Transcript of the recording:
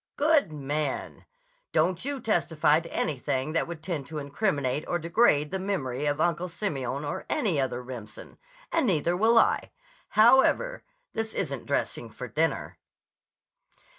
"Good man! Don't you testify to anything that would tend to incriminate or degrade the memory of Uncle Simeon or any other Remsen. And neither will I. However, this isn't dressing for dinner."